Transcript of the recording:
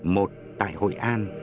một tại hội an